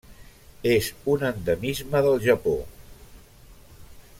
És un endemisme del Japó.